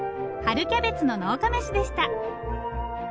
春キャベツの農家メシでした。